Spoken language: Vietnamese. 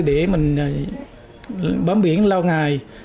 để mình bám biển lao ngài